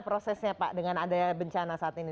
prosesnya pak dengan adanya bencana saat ini